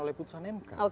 oleh putusan mk